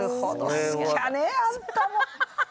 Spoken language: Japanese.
好っきやねえ、あんたも。